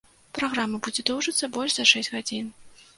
Праграма будзе доўжыцца больш за шэсць гадзін.